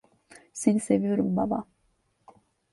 Seni seviyorum baba.